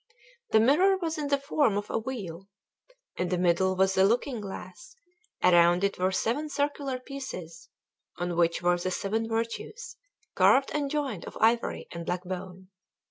The mirror was in the form of a wheel. In the middle was the looking glass; around it were seven circular pieces, on which were the Seven Virtues, carved and joined of ivory and black bone.